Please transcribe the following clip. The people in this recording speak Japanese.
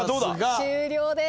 終了です。